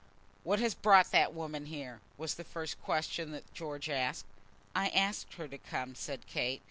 "What has brought that woman here?" was the first question that George asked. "I asked her to come," said Kate.